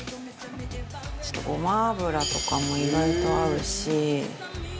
ごま油とかも意外と合うし。